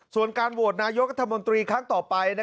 ส่วนการโหวตนายกรัฐมนตรีครั้งต่อไป